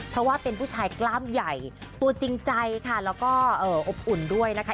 เพราะว่าเป็นผู้ชายกล้ามใหญ่ตัวจริงใจค่ะแล้วก็อบอุ่นด้วยนะคะ